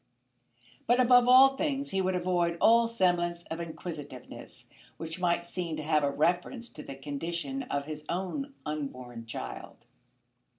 But above all things he would avoid all semblance of inquisitiveness which might seem to have a reference to the condition of his own unborn child.